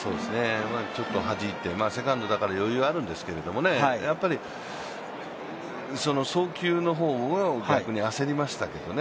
ちょっとはじいて、セカンドだから余裕があるんですけどね、やっぱり送球を逆に焦りましたけどね。